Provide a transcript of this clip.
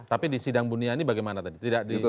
tapi di sidang buniani bagaimana tadi